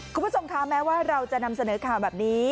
คุณผู้ชมคะแม้ว่าเราจะนำเสนอข่าวแบบนี้